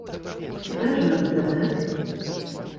Ці кажа, абы казаць.